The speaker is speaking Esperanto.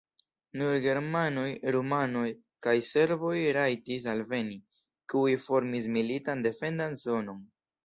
Nur germanoj, rumanoj kaj serboj rajtis alveni, kiuj formis militan defendan zonon.